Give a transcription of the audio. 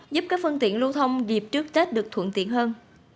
giúp các phương tiện lưu thông dịp trước tết được thuận tiện hơn